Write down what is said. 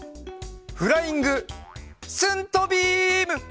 フライング・スントビーム！